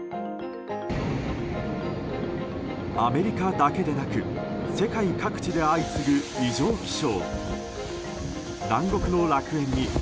アメリカだけでなく世界各地で相次ぐ異常気象。